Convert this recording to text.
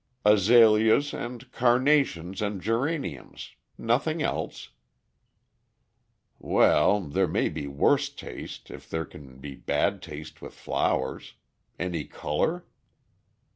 "Azaleas and carnations and geraniums. Nothing else." "Well, there may be worse taste, if there can be bad taste with flowers. Any color?"